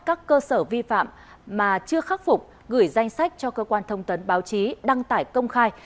các cơ sở vi phạm mà chưa khắc phục gửi danh sách cho cơ quan thông tấn báo chí đăng tải công khai